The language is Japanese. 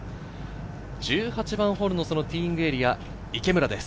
１８番ホールのティーイングエリア、池村です。